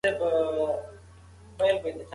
انټرنیټ د پوهې خپرول د هر چا لپاره ممکن کړي دي.